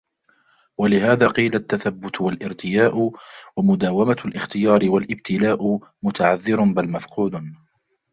وَلِهَذَا قِيلَ التَّثَبُّتُ وَالِارْتِيَاءُ ، وَمُدَاوَمَةُ الِاخْتِيَارِ وَالِابْتِلَاءُ ، مُتَعَذِّرٌ بَلْ مَفْقُودٌ